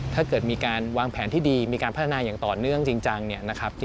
ถ้าเกิดมีการวางแผนที่ดีมีการพัฒนาอย่างต่อเนื่องจริงจังเนี่ยนะครับ